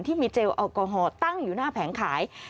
ที่มีเจลแอลกอฮอล์ตั้งอยู่หน้าแผงขาย